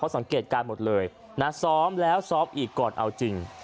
สังเกตการณ์หมดเลยนะซ้อมแล้วซ้อมอีกก่อนเอาจริง